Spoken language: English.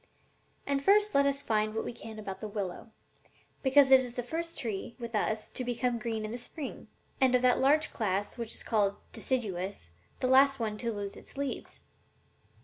And first let us find out what we can about the willow, because it is the first tree, with us, to become green in the spring, and, of that large class which is called deciduous, the last one to lose its leaves."